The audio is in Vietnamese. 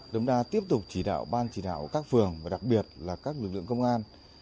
đống đa tiếp tục chỉ đạo ban chỉ đạo các phường và đặc biệt là các lực lượng công an